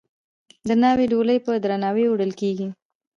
د ناوې ډولۍ په درناوي وړل کیږي.